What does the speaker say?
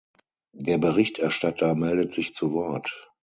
Der Berichterstatter meldet sich zu Wort.